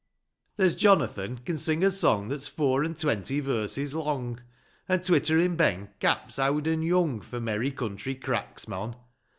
There's Jonathan can sing a song That's four an' twenty verses long. An' twitterin' Ben caps owd an' young For merry country cracks, mon